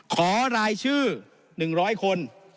รายชื่อ๑๐๐คน